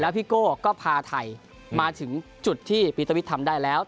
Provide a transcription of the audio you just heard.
แล้วพี่โก้ก็พาไทยมาจึงจุดที่พี่ตอบฟิชทำได้แล้ว